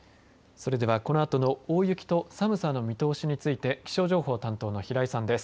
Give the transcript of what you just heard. それでは、このあとの大雪と寒さの見通しについて気象情報担当の平井さんです。